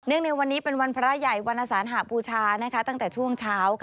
ในวันนี้เป็นวันพระใหญ่วันอสานหบูชาตั้งแต่ช่วงเช้า